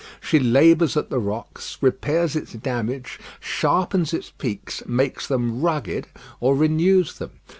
She labours at the rock, repairs its damage, sharpens its peaks, makes them rugged or renews them.